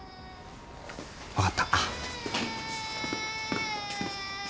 分かった。